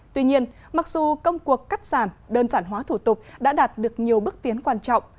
tuy nhiên mặc dù công cuộc cắt giảm đơn giản hóa thủ tục đã đạt được nhiều bước tiến quan trọng